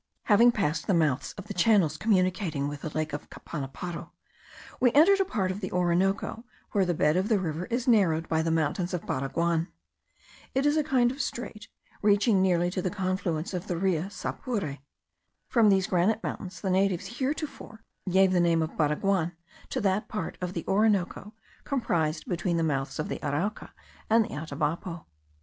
Having passed the mouths of the channels communicating with the lake of Capanaparo, we entered a part of the Orinoco, where the bed of the river is narrowed by the mountains of Baraguan. It is a kind of strait, reaching nearly to the confluence of the Rio Suapure. From these granite mountains the natives heretofore gave the name of Baraguan to that part of the Orinoco comprised between the mouths of the Arauca and the Atabapo.